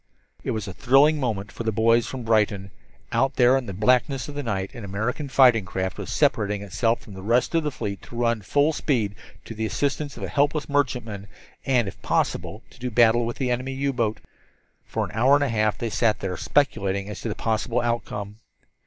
It was a thrilling moment for the boys from Brighton. Out there in the blackness of the night an American fighting craft was separating itself from the rest of the fleet to run full speed to the assistance of a helpless merchantman, and, if possible, to do battle with the enemy U boat. For an hour and a half they sat there, speculating as to the possible outcome.